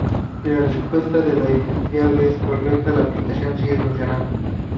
Si la respuesta de la llave es correcta la aplicación sigue funcionando.